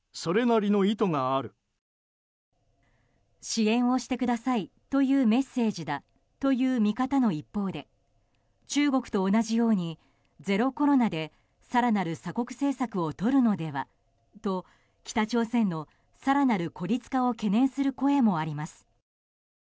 支援をしてくださいというメッセージだという見方の一方で中国と同じようにゼロコロナで更なる鎖国政策をとるのではと北朝鮮の更なる孤立化を懸念する声もあります。